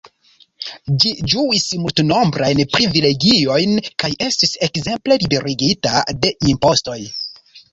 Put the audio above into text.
Ĝi ĝuis multnombrajn privilegiojn kaj estis ekzemple liberigita de impostoj.